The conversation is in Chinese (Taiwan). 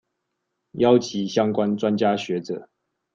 邀集相關專家學者